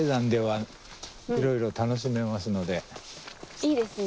いいですね。